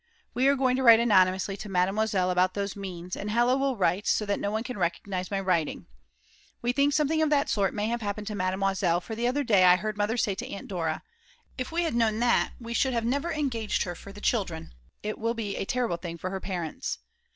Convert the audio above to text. We are going to write anonymously to Mademoiselle about those means, and Hella will write, so that no one can recognise my writing. We think something of that sort must have happened to Mademoiselle, for the other day I heard Mother say to Aunt Dora: "If we had known that, we should never have engaged her for the children; it will be a terrible thing for her parents."